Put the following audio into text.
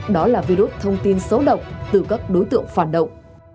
đó là virus thông tin xấu độc từ các đối tượng phản động